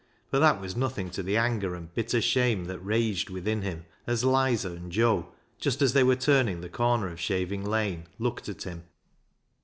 But that was nothing to the anger and bitter shame that raged within him as " Lizer " and Joe, just as they were turning the corner of Shaving Lane, looked at him.